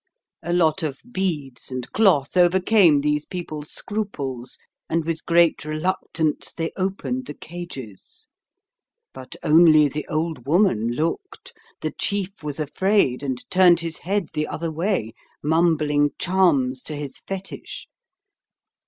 A lot of beads and cloth overcame these people's scruples; and with great reluctance they opened the cages. But only the old woman looked; the chief was afraid, and turned his head the other way, mumbling charms to his fetich.